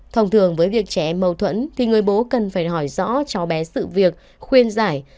thông thường với việc trẻ em mâu thuẫn thì người bố cần phải hỏi rõ cháu bé sự việc khuyên giải